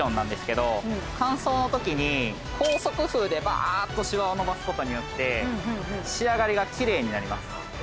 乾燥のときに高速風でバーっとしわをのばすことによって仕上がりが奇麗になります。